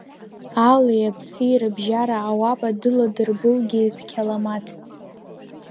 Алеи-аԥси рыбжьара ауапа дыладырбылгьеит Қьаламаҭ.